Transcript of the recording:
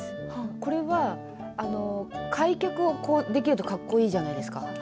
これは開脚ができるとかっこいいじゃないですか。